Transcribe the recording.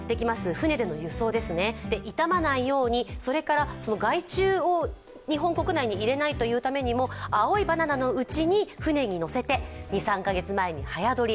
船での輸送ですね、傷まないように、それから害虫を日本国内に入れないためにも青いバナナのうちに船に乗せて２３か月、早取り。